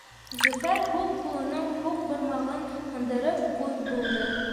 Зөфәр һул ҡулының һуҡ бармағын һындырып, күҙ быуҙы.